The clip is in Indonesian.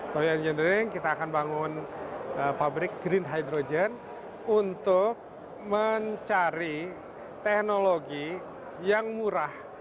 toil engineering kita akan bangun pabrik green hydrogen untuk mencari teknologi yang murah